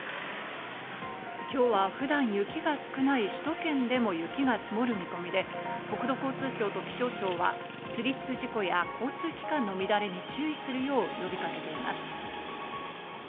今日は普段雪が少ない首都圏でも雪が積もる見込みで、国土交通省と気象庁はスリップ事故や交通機関の乱れに注意するよう呼びかけています。